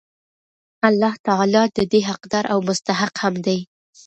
الله تعالی د دي حقدار او مستحق هم دی